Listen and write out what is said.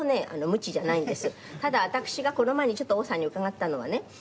ただ私がこの前にちょっと王さんに伺ったのはね。